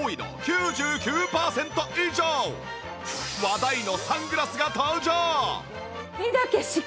話題のサングラスが登場！